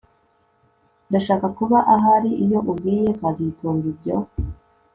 Ndashaka kuba ahari iyo ubwiye kazitunga ibyo